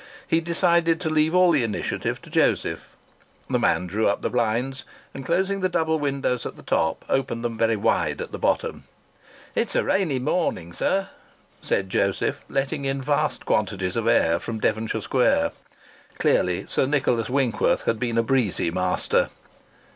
He decided to leave all initiative to Joseph. The man drew up the blinds, and closing the double windows at the top opened them very wide at the bottom. "It is a rainy morning, sir," said Joseph, letting in vast quantities of air from Devonshire Square. Clearly, Sir Nicholas Winkworth had been a breezy master.